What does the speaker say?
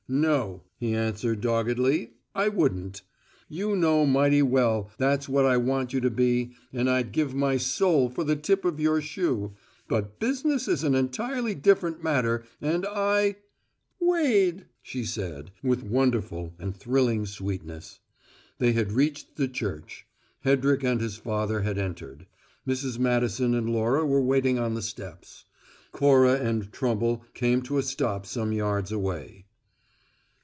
"No," he answered doggedly, "I wouldn't. You know mighty well that's what I want you to be, and I'd give my soul for the tip of your shoe, but business is an entirely different matter, and I " "Wade!" she said, with wonderful and thrilling sweetness. They had reached the church; Hedrick and his father had entered; Mrs. Madison and Laura were waiting on the steps. Cora and Trumble came to a stop some yards away.